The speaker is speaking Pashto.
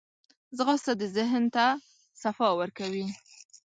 ځغاسته د ذهن ته صفا ورکوي